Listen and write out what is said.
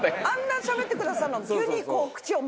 あんなしゃべってくださるのに急に。